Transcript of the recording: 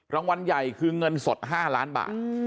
รางวัลใหญ่คือเงินสด๕ล้านบาท